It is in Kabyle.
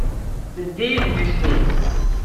Ldi idlisen-im!